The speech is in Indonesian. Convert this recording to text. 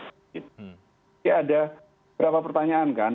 tapi ada berapa pertanyaan kan